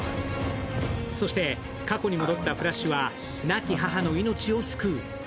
そして過去に戻ったフラッシュは亡き母の命を救う。